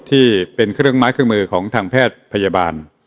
ที่เป็นเครื่องไม้เครื่องมือของทางแพทย์พยาบาล